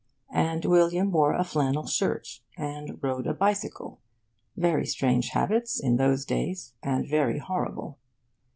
And William wore a flannel shirt, and rode a bicycle very strange habits in those days, and very horrible.